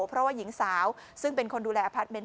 เพราะว่าหญิงสาวซึ่งเป็นคนดูแลอพาร์ทเมนต